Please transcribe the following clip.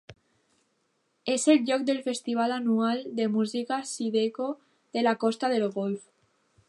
És el lloc del festival anual de música Zydeco de la Costa del Golf.